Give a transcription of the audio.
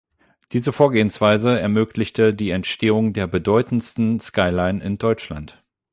Diese Vorgehensweise ermöglichte die Entstehung der bedeutendsten Skyline in Deutschland.